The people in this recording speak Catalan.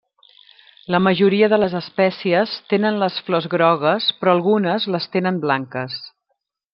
La majoria de les espècies tenen les flors grogues però algunes les tenen blanques.